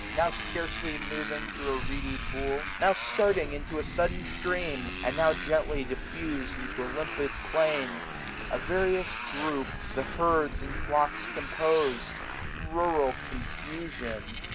Now scarcely moving thro' a reedy pool. Now starting to a sudden stream, and now Gently diffus'd into a limpid plain ; 68 SUMMER. A various groupe the herds and flocks compose, 485 Rural confusion